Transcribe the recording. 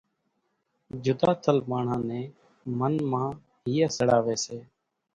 جُڌا ٿل ماڻۿان نين من مان ھئي سڙاوي سي۔